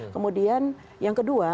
kemudian yang kedua